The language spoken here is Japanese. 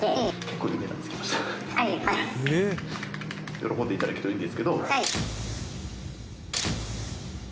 喜んでいただけるといいんですけど。